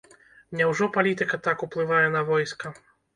Няўжо палітыка так уплывае на войска?